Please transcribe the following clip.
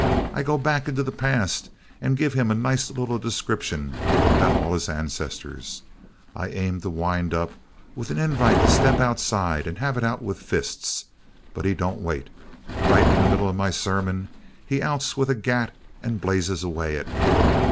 I go back into the past and give him a nice little description all about his ancestors. I aim to wind up with an invite to step outside and have it out with fists, but he don't wait. Right in the middle of my sermon he outs with a gat and blazes away at me.